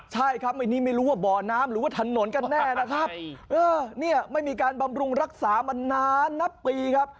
ใช่ครับอันนี้ไม่รู้ว่าบ่อน้ำหรือว่าถนนกันแน่นะครับเออเนี่ยไม่มีการบำรุงรักษามานานนับปีครับ